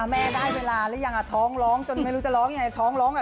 อะแม่ได้เวลาระยังอ่ะท้องร้องจนไม่รู้จะร้องยังอ่ะ